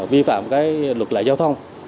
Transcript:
vi phạm luật lệ giao thông